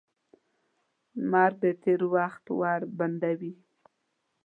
مرګ د تېر وخت ور بندوي.